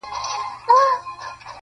o وخت لکه سره زر!